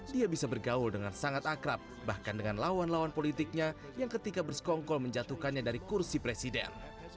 dia bisa bergaul dengan sangat akrab bahkan dengan lawan lawan politiknya yang ketika bersekongkol menjatuhkannya dari kursi presiden